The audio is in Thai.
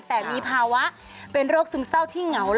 แต่มีภาวะเป็นโรคซึมเศร้าที่เหงา